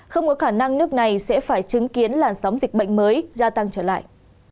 không có khả năng nước này sẽ phải chứng kiến làn sóng dịch bệnh mới gia tăng trở lại